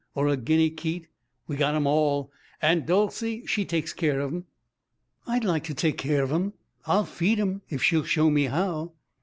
Or a guinea keet? We got 'em all. Aunt Dolcey, she takes care of 'em." "I'd like to take care of 'em. I'll feed 'em, if she'll show me how."